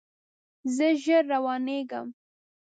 زه ژر روانیږم